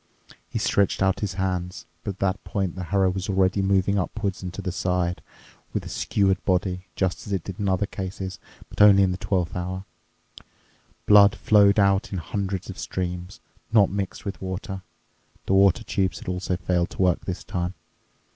He stretched out his hands. But at that point the harrow was already moving upwards and to the side, with the skewered body—just as it did in other cases, but only in the twelfth hour. Blood flowed out in hundreds of streams, not mixed with water—the water tubes had also failed to work this time.